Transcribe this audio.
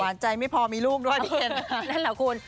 หวานใจไม่พอมีรูปด้วยเดี๋ยวน่ะคุณ